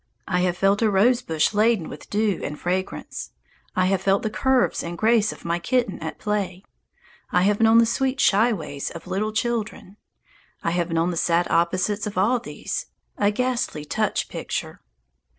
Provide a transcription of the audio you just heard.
I have felt a rose bush laden with dew and fragrance. I have felt the curves and graces of my kitten at play. I have known the sweet, shy ways of little children. I have known the sad opposites of all these, a ghastly touch picture.